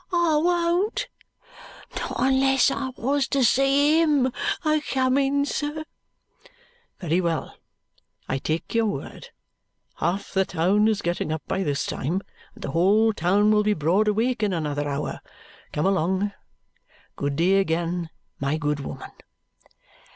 "I won't, not unless I wos to see HIM a coming, sir." "Very well. I take your word. Half the town is getting up by this time, and the whole town will be broad awake in another hour. Come along. Good day again, my good woman."